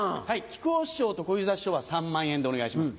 木久扇師匠と小遊三師匠は３万円でお願いします